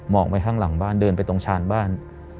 ออกไปข้างหลังบ้านเดินไปตรงชานบ้าน